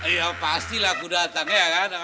ya pasti lah aku datang ya kan